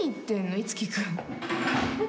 樹君。